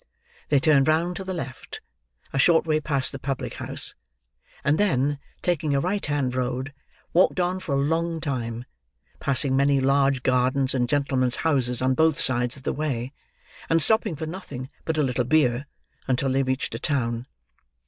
They turned round to the left, a short way past the public house; and then, taking a right hand road, walked on for a long time: passing many large gardens and gentlemen's houses on both sides of the way, and stopping for nothing but a little beer, until they reached a town.